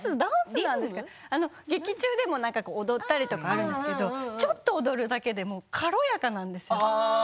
劇中でも踊ったりあるんですけどちょっと踊るだけでも軽やかなんですよ。